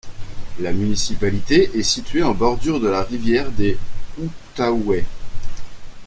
La municipalité est située en bordure de la rivière des Outaouais.